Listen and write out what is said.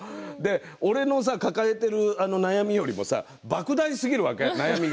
俺の抱えている悩みよりもばく大すぎるわけ、悩みが。